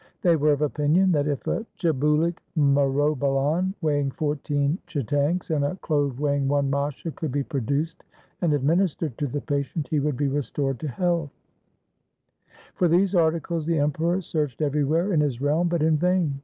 They were of opinion that if a chebulic myrobalan weighing fourteen chitanks 1 and a clove weighing one masha could be produced and administered to the patient, he would be restored to health. For these articles the Emperor searched everywhere in his realm, but in vain.